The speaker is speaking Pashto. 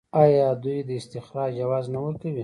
آیا دوی د استخراج جواز نه ورکوي؟